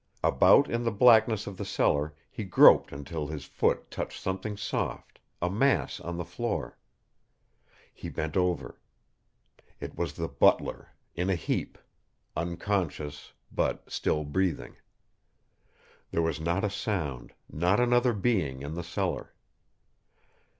About in the blackness of the cellar he groped until his foot touched something soft, a mass on the floor. He bent over. It was the butler, in a heap, unconscious, but still breathing. There was not a sound, not another being in the cellar.